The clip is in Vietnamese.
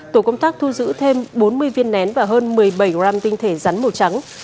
tổ công tác thu giữ thêm bốn mươi viên nén và hơn một mươi bảy gram tinh thể rắn màu trắng